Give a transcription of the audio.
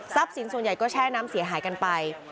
สินส่วนใหญ่ก็แช่น้ำเสียหายกันไป